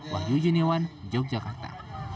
wahyu junewan yogyakarta